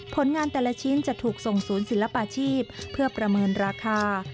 ผลงานแต่ละชิ้นจะถูกส่งศูนย์ศิลปาชีพเพื่อประเมินราคา